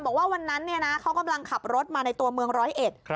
บอกว่าวันนั้นเนี่ยนะเขากำลังขับรถมาในตัวเมืองร้อยเอ็ด